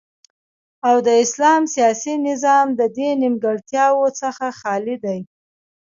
او د اسلام سیاسی نظام ددی نیمګړتیاو څخه خالی دی